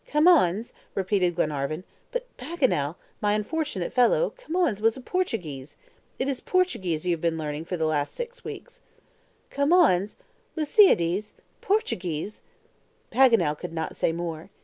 "Camoens!" repeated Glenarvan; "but Paganel, my unfortunate fellow, Camoens was a Portuguese! It is Portuguese you have been learning for the last six weeks!" "Camoens! LUISADES! Portuguese!" Paganel could not say more.